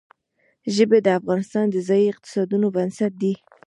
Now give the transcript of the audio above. ژبې د افغانستان د ځایي اقتصادونو بنسټ دی.